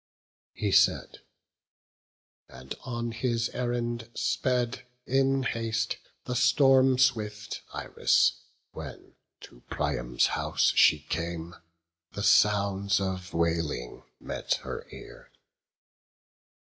He said; and on his errand sped in haste The storm swift Iris; when to Priam's house She came, the sounds of wailing met her ear.